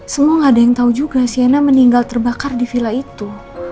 semua gak ada yang tahu juga siana meninggal terbakar di villa itu